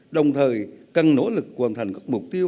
đồng thời cần nỗ lực hoàn thành các mục tiêu